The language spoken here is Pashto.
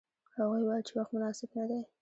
هغوی ویل چې وخت مناسب نه دی.